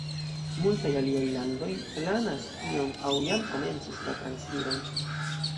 Multaj aliaj landoj planas tion aŭ jam komencis la transiron.